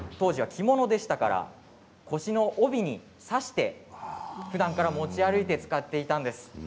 当時は着物でしたので腰の帯に差してふだんから持ち歩いて使っていたんです。